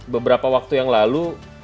beberapa waktu yang lalu